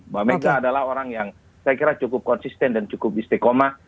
bahwa mereka adalah orang yang saya kira cukup konsisten dan cukup istikomah